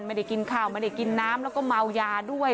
ไม่ได้กินข้าวไม่ได้กินน้ำแล้วก็เมายาด้วย